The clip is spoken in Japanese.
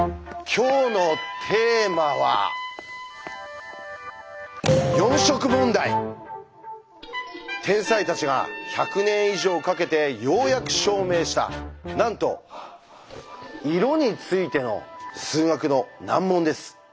今日のテーマは天才たちが１００年以上かけてようやく証明したなんと「色」についての数学の難問です。